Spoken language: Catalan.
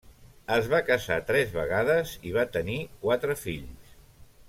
Es va casar tres vegades i va tenir quatre fills.